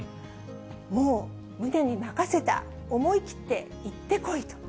もうムネに任せた、思い切って行ってこいと。